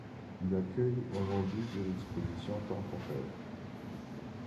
Il accueille aujourd'hui des expositions temporaires.